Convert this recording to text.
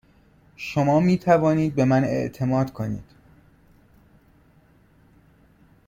شما می توانید به من اعتماد کنید.